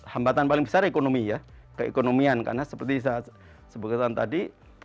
hambatan paling besar ekonomi ya keekonomian karena seperti saya sebutkan tadi